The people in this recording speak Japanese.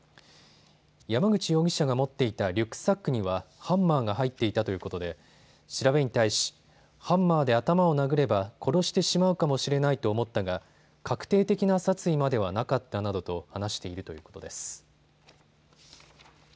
山口容疑者が持っていたリュックサックにはハンマーが入っていたということで調べに対し、ハンマーで頭を殴れば殺してしまうかもしれないと思ったが確定的な殺意まではなかったなどと話しているということです。